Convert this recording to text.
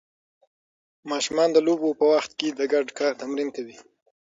ماشومان د لوبو په وخت کې د ګډ کار تمرین کوي.